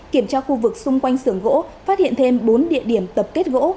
kiểm tra khu vực xung quanh xưởng gỗ phát hiện thêm bốn địa điểm tập kết gỗ